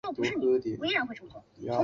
朱佑榕于正德十六年袭封德王。